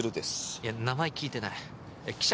いや名前聞いてない記者？